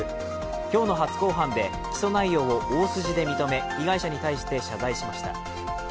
今日の初公判で起訴内容を大筋で認め被害者に対して謝罪しました。